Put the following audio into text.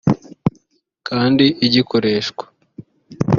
kandi igikoreshwa